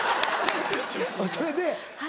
それで？